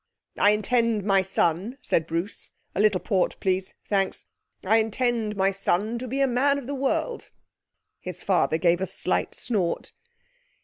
'I intend my son,' said Bruce '(a little port, please. Thanks.) I intend my son to be a Man of the World.' His father gave a slight snort.